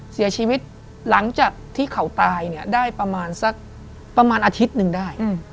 เสียชีวิตหลังจากที่เขาตายเนี่ยได้ประมาณสักประมาณอาทิตย์หนึ่งได้